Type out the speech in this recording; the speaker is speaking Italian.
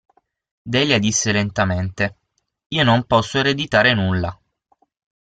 Delia disse lentamente: Io non posso ereditare nulla.